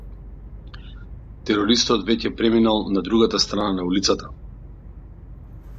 Терористот веќе преминал од другата страна на улицата.